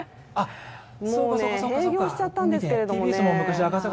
もう閉業しちゃったんですけどね。